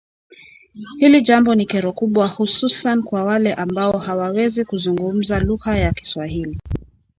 Hili jambo ni kero kubwa hususan kwa wale ambao hawawezi zungumza lugha ya Kiswahili